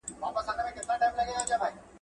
ورته راغی چي طبیب چا ورښودلی.